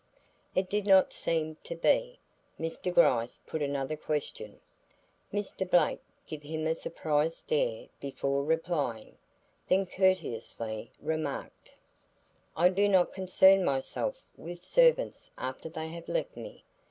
It did not seem to be, Mr. Gryce put another question. Mr. Blake give him a surprised stare before replying, then courteously remarked, "I do not concern myself with servants after they have left me.